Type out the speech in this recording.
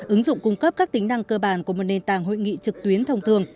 ứng dụng cung cấp các tính năng cơ bản của một nền tảng hội nghị trực tuyến thông thường